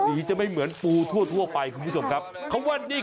สีที่จะไม่เหมือนปูทั่วไปครับคุณผู้ชม